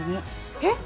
えっ？